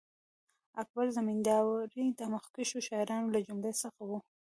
اکبر زمینداوری د مخکښو شاعرانو له جملې څخه وو.